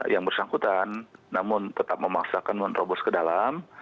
yang bersangkutan namun tetap memaksakan menerobos ke dalam